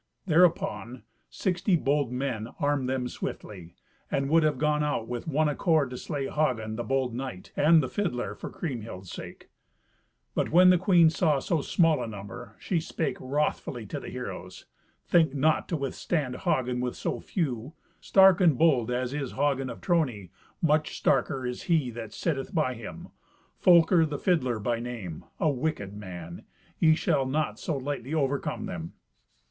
Thereupon sixty bold men armed them swiftly, and would have gone out with one accord to slay Hagen, the bold knight, and the fiddler, for Kriemhild's sake. But when the queen saw so small a number, she spake wrothfully to the heroes, "Think not to withstand Hagen with so few. Stark and bold as is Hagen of Trony, much starker is he that sitteth by him, Folker the fiddler by name, a wicked man. Ye shall not so lightly overcome them."